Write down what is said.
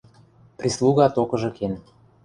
Прислуга токыжы кен.